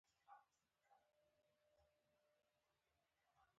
بیا یې اوبه بدلې او پاخه کړئ د پخولو لپاره.